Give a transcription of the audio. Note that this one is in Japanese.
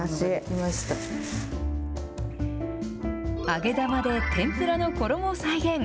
揚げ玉で天ぷらの衣を再現。